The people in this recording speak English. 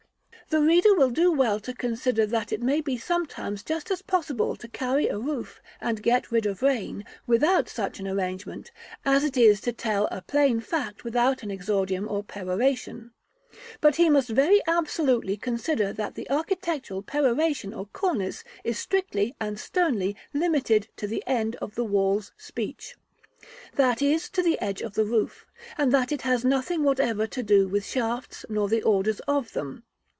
The reader will do well to consider that it may be sometimes just as possible to carry a roof, and get rid of rain, without such an arrangement, as it is to tell a plain fact without an exordium or peroration; but he must very absolutely consider that the architectural peroration or cornice is strictly and sternly limited to the end of the wall's speech, that is, to the edge of the roof; and that it has nothing whatever to do with shafts nor the orders of them.